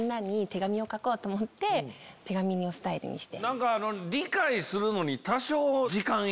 手紙のスタイルにして。